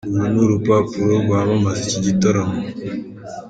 Uru ni urupapuro rwamamaza iki gitaramo.